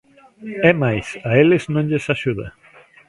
É máis: a eles non lles axuda.